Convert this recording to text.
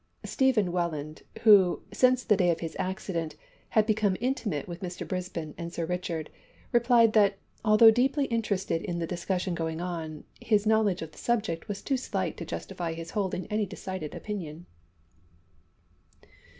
Stephen Welland who, since the day of his accident, had become intimate with Mr Brisbane and Sir Richard replied that although deeply interested in the discussion going on, his knowledge of the subject was too slight to justify his holding any decided opinion.